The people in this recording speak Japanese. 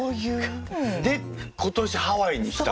で今年ハワイにした？